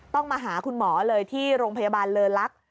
ต้องมาหาคุณหมอเลยที่โรงพยาบาลเลอลักษณ์